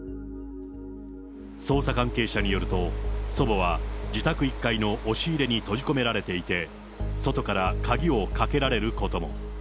捜査関係者によると、祖母は自宅１階の押し入れに閉じ込められていて、外から鍵をかけられることも。